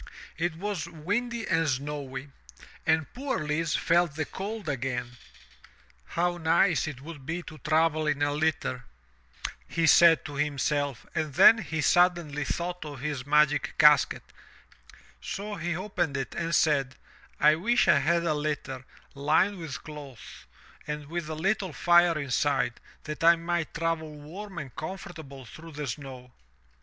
It was windy and snowy, and poor Lise felt the cold again. "How nice it would be to travel in a lit 349 MY BOOK HOUSE ter," he said to himself, and then he suddenly thought of his magic casket, so he opened it and said: "I wish I had a litter, lined with cloth, and with a little fire inside, that I might travel warm and comfortable through the snow."